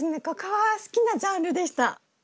ここは好きなジャンルでした。